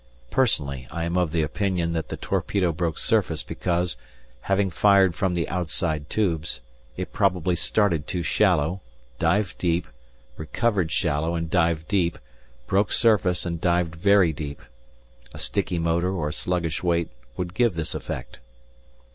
Personally I am of the opinion that the torpedo broke surface because, being fired from the outside tubes, it probably started too shallow, dived deep, recovered shallow and dived deep, broke surface and dived very deep. A sticky motor or sluggish weight would give this effect.